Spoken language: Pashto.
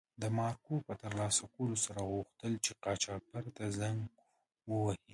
د مارکو په تر لاسه کولو سره غوښتل چې قاچاقبر ته زنګ و وهي.